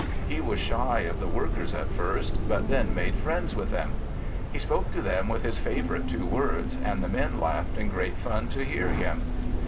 He was shy of the workers at first, but then made friends with them. He spoke to them with his favorite two words and the men laughed in great fun to hear him.